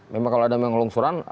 memang kalau ada memang longsoran